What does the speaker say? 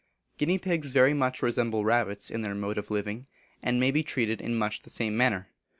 Guinea Pigs very much resemble rabbits in their mode of living, and may be treated in much the same manner.